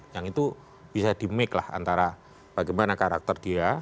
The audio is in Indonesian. yang itu bisa di make lah antara bagaimana karakter dia